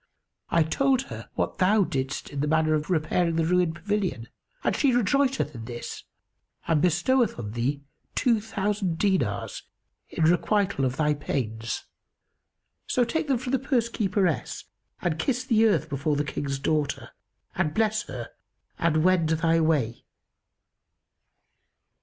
I told her what thou didst in the matter of repairing the ruined pavilion, and she rejoiceth in this and bestoweth on thee two thousand dinars in requital of thy pains; so take them from the purse keeperess and kiss the earth before the King's daughter and bless her and wend thy way."